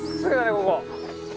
ここ。